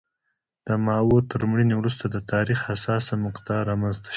د ماوو تر مړینې وروسته د تاریخ حساسه مقطعه رامنځته شوه.